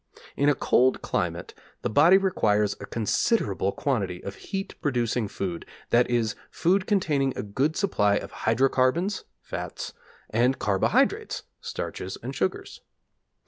In a cold climate the body requires a considerable quantity of heat producing food, that is, food containing a good supply of hydrocarbons (fats), and carbohydrates (starches and sugars).